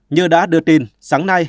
như đã đưa tin sáng nay